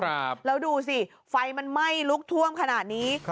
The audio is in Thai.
แล้วดูสิไฟมันไหม้ลุกท่วมขนาดนี้